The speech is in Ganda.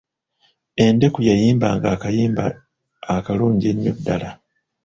Endeku yayimbanga akayimba akalungi ennyo ddala.